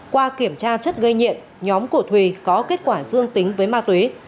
qua kiểm tra chất gây nhiện nhóm của thùy có kết quả dương tính với ma túy